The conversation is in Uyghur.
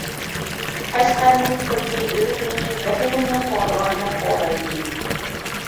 قەشقەرنى خۇددى يۈرىكىنى، ۋەتىنىنى قوغدىغاندەك قوغدايتتى.